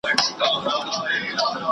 ستونزي د زده کړو فرصتونه دي